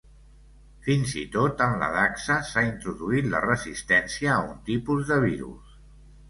Fins i tot en la dacsa s'ha introduït la resistència a un tipus de virus.